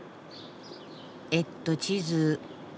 えっと地図。